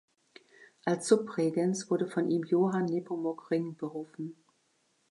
Als Subregens wurde von ihm Johann Nepomuk Ring berufen.